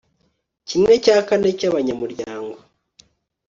kimwe cya kane cy abanyamuryango